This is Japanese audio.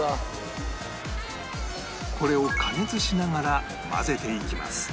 これを加熱しながら混ぜていきます